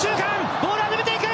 ボールが伸びていく！